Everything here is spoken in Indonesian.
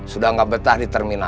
sudah nggak betah di terminal